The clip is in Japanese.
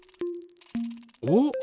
おっ！